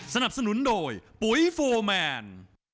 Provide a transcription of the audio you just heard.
สนับสนุนโดยปุ๋ยโฟร์แมน